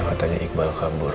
katanya iqbal kabur